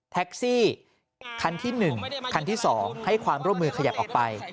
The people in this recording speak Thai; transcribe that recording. แท็กซี่คันที่๑คันที่๒ให้ความร่วมมือขยับออกไป